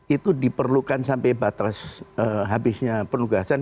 itu diperlukan sampai batas habisnya penugasan